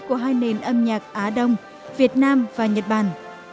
và sáng tạo giữa các nghệ sĩ của hai nền âm nhạc á đông việt nam và nhật bản